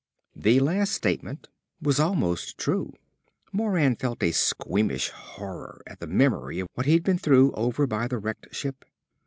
The last statement was almost true. Moran felt a squeamish horror at the memory of what he'd been through over by the wrecked ship.